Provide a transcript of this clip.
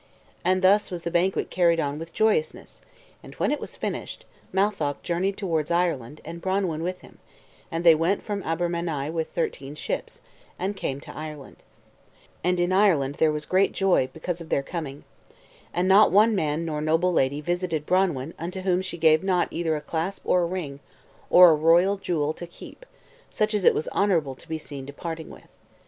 And thus was the banquet carried on with joyousness; and when it was finished, Matholch journeyed towards Ireland, and Branwen with him; and they went from Aber Menei with thirteen ships, and came to Ireland. And in Ireland was there great joy because of their coming. And not one great man nor noble lady visited Branwen unto whom she gave not either a clasp or a ring, or a royal jewel to keep, such as it was honorable to be seen departing with.